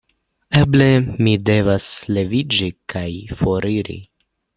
Eble mi devas leviĝi kaj foriri?